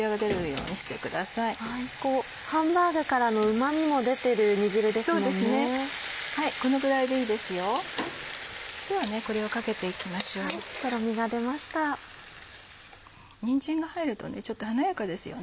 にんじんが入るとちょっと華やかですよね。